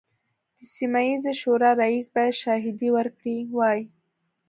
د سیمه ییزې شورا رییس باید شاهدې ورکړي وای.